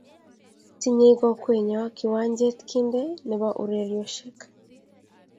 tinyei kokwenyo kiwanjet kinde nebo urerioshiek